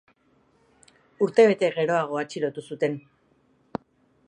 Urtebete geroago atxilotu zuten.